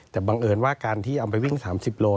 แต่บังเอิญว่าการที่เอาไปวิ่ง๓๐โล